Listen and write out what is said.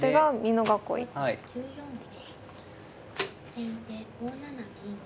先手５七銀。